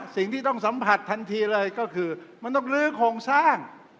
สิ่งที่ต้องสัมผัสทันทีเลยก็คือมันต้องลื้อโครงสร้าง